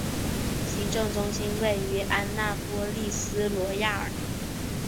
行政中心位于安纳波利斯罗亚尔。